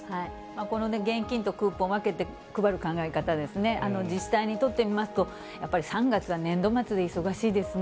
この現金とクーポン、分けて配る考え方ですね、自治体にとってみますと、やっぱり３月は年度末で忙しいですね。